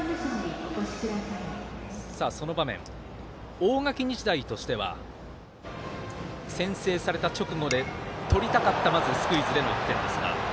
大垣日大としては先制された直後で取りたかったスクイズでの１点ですが。